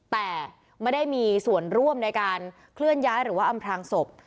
แต่ไม่ได้มีส่วนร่วมในการเคลื่อนย้ายหรือว่าอำพลางศพ